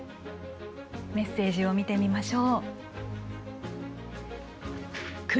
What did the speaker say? メッセージを見てみましょう。